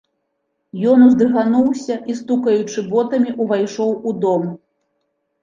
Ён уздрыгануўся і стукаючы ботамі ўвайшоў у дом.